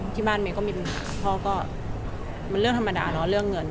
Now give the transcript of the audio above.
ที่บ้านเมย์ก็มีปัญหาเพราะว่ามันเรื่องธรรมดาเนอะเรื่องเงิน